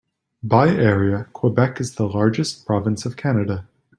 By area, Quebec is the largest province of Canada.